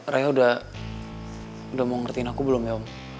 raya udah mau ngertiin aku belum ya om